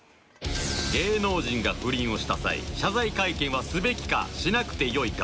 「芸能人が不倫をした際謝罪会見はすべきかしなくてよいか」